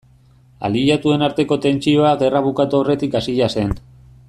Aliatuen arteko tentsioa gerra bukatu aurretik hasia zen.